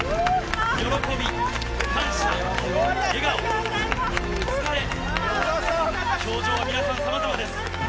喜び、感謝、笑顔、疲れ、表情は皆さんさまざまです。